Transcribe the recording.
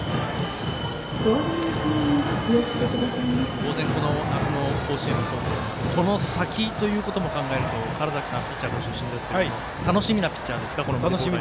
当然、夏の甲子園もそうですがこの先ということも考えると川原崎さん、ピッチャーご出身ですけども楽しみなピッチャーですか。